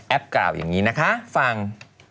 กล่าวอย่างนี้นะคะฟัง